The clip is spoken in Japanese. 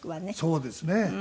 そうですね。